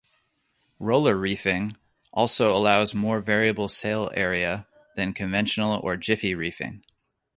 Roller reefing also allows more variable sail area than conventional or jiffy reefing.